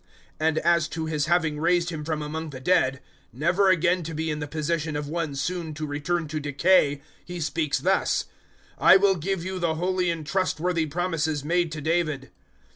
013:034 And as to His having raised Him from among the dead, never again to be in the position of one soon to return to decay, He speaks thus: `I will give you the holy and trustworthy promises made to David.'